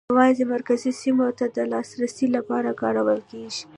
یوازې مرکزي سیمو ته د لاسرسي لپاره کارول کېږي.